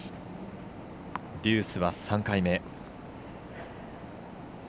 デュースは３回目。